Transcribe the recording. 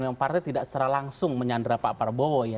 memang partai tidak secara langsung menyandera pak parbowo ya